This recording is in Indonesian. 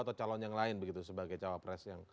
atau calon yang lain begitu sebagai cowok presiden